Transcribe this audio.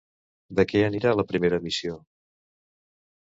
De què anirà la primera emissió?